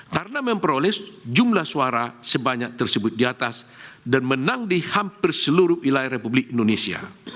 karena memperoleh jumlah suara sebanyak tersebut di atas dan menang di hampir seluruh wilayah republik indonesia